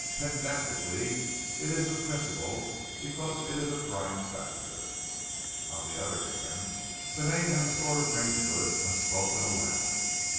Pedantically it is a principle because it is a prime factor. On the other hand, the name has a sort of ring to it when spoken aloud.